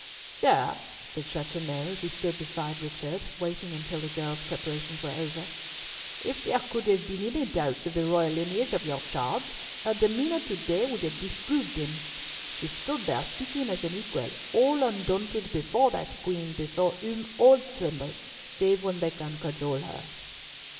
"Sir," said Chateauneuf, as he stood beside Richard, waiting till the girl's preparations were over, "if there could have been any doubts of the royal lineage of your charge, her demeanour to day would have disproved them. She stood there speaking as an equal, all undaunted before that Queen before whom all tremble, save when they can cajole her."